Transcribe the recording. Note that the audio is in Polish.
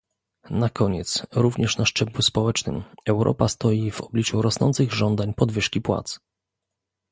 Na koniec, również na szczeblu społecznym, Europa stoi w obliczu rosnących żądań podwyżki płac